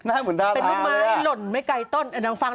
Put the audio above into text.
หน้าหมุนทาราโปรดเลยเป็นนุกไม้หล่นไม่ไกล้ต้น